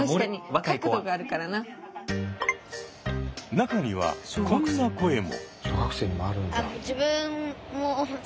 中にはこんな声も。